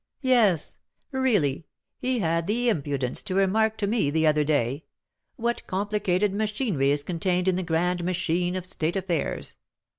Yes, really, he had the impudence to remark to me the other day, 'What complicated machinery is contained in the grand machine of state affairs!